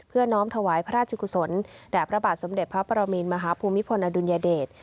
น้อมถวายพระราชกุศลแด่พระบาทสมเด็จพระปรมินมหาภูมิพลอดุลยเดช